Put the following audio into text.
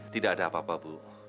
tidak ada apa apa bu